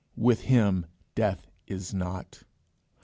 With Him death is not.